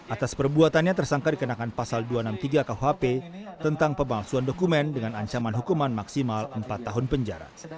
atas perbuatannya tersangka dikenakan pasal dua ratus enam puluh tiga kuhp tentang pemalsuan dokumen dengan ancaman hukuman maksimal empat tahun penjara